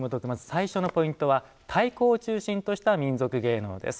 最初のポイントは太鼓と鉦を軸にした民族芸能です。